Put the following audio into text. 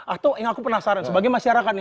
atau yang aku penasaran sebagai masyarakat nih